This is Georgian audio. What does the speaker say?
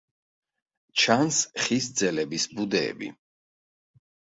ჩანს ხის ძელების ბუდეები.